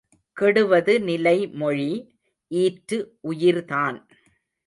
கெடுவது நிலைமொழி ஈற்று உயிர்தான்.